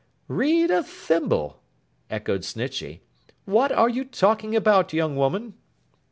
'Read a thimble!' echoed Snitchey. 'What are you talking about, young woman?